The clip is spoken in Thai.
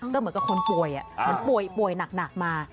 ก็เหมือนกับคนป่วยเหมือนป่วยหนักมา